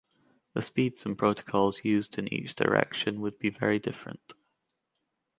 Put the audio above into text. The speeds and protocols used in each direction would be very different.